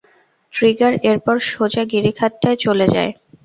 Trigger এরপর সোজা গিরিখাতটায় চলে যায়।